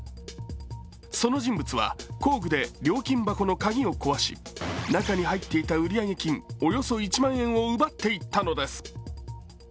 その人物は、工具で料金箱の鍵を壊し中に入っていた売上金、およそ１万円を奪っていったのです。